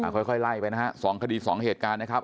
ค่อยค่อยไล่ไปนะครับ๒คดี๓เหตุการณ์นะครับ